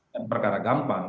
dan perkara gampang